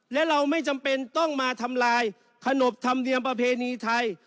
และเราไม่จำเป็นต้องมาทำลายขนบธรรมเนียมประเพณีไทย